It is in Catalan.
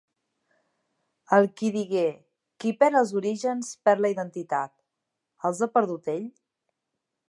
El qui digué: "Qui perd els orígens perd la identitat", els ha perdut ell?